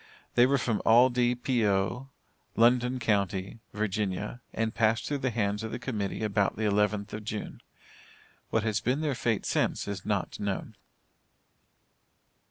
They were from Aldie P.O., London County, Virginia, and passed through the hands of the Committee about the 11th of June. What has been their fate since is not known.